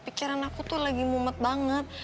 pikiran aku tuh lagi mumet banget